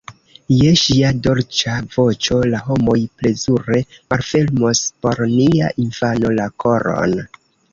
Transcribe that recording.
Je ŝia dolĉa voĉo la homoj plezure malfermos por nia infano la koron.